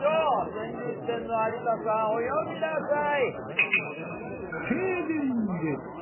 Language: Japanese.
川柳四天王有田さん、お詠みなさい！